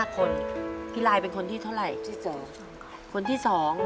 ๕คนพี่ลายเป็นคนที่เท่าไหร่ที่๒คนที่๒